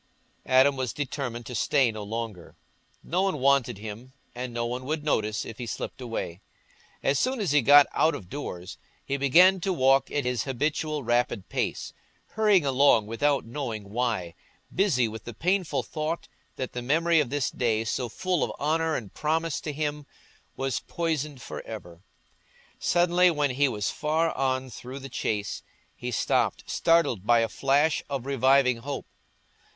Adam was determined to stay no longer; no one wanted him, and no one would notice if he slipped away. As soon as he got out of doors, he began to walk at his habitual rapid pace, hurrying along without knowing why, busy with the painful thought that the memory of this day, so full of honour and promise to him, was poisoned for ever. Suddenly, when he was far on through the Chase, he stopped, startled by a flash of reviving hope.